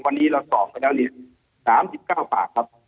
วันนี้เราสอบไปแล้วเนี่ย๓๙ปากครับ